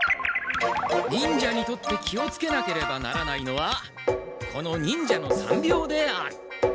忍者にとって気をつけなければならないのはこの「忍者の三病」である。